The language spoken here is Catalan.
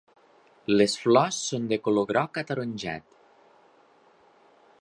Les flors són de color groc ataronjat.